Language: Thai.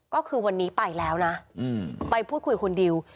ก็คือวันนี้ไปแล้วนะไปพูดคุยคุณดิว